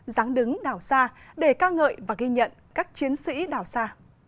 giáng đứng đảo xa để ca ngợi và ghi nhận các chiến sĩ đảo xa